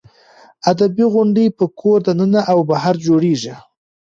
ادبي غونډې په کور دننه او بهر جوړېږي.